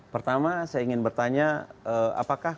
pertama saya ingin bertanya apakah